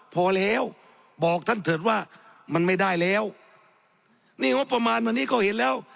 พอแล้วบอกท่านเถิดว่ามันไม่ได้แล้วนี่งบประมาณวันนี้ก็เห็นแล้ว